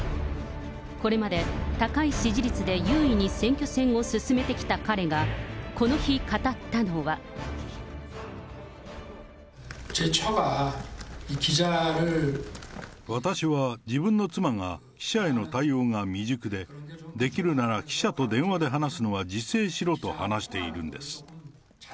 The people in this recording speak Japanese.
これまで、高い支持率で優位に選挙戦を進めてきた彼が、この日語私は、自分の妻が記者への対応が未熟で、できるなら、記者と電話で話すのは自制しろと話しているんです。